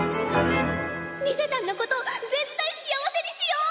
リゼたんのこと絶対幸せにしよう！